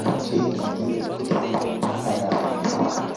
ng'i nger a kptemenan a ngalal